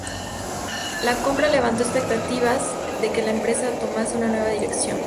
La compra levantó expectativas de que la empresa tomase una nueva dirección.